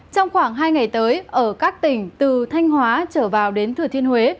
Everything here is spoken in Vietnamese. trong khoảng hai ngày tới ở các tỉnh từ thanh hóa trở vào đến thừa thiên huế